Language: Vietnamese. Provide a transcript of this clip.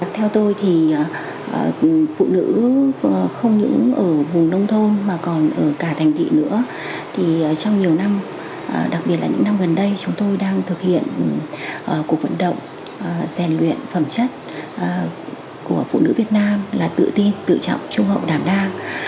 theo tôi thì phụ nữ không những ở vùng nông thôn mà còn ở cả thành thị nữa thì trong nhiều năm đặc biệt là những năm gần đây chúng tôi đang thực hiện cuộc vận động rèn luyện phẩm chất của phụ nữ việt nam là tự tin tự trọng trung hậu đảm đa